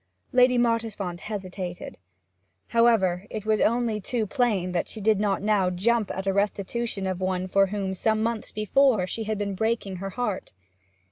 Lady Mottisfont hesitated. However, it was only too plain that she did not now jump at a restitution of one for whom some months before she had been breaking her heart.